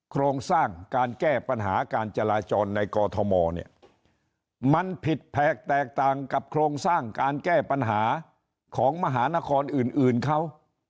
โครงสร้างการแก้ปัญหาการจราจรในกอทมเนี่ยมันผิดแผกแตกต่างกับโครงสร้างการแก้ปัญหาของมหานครอื่นเขา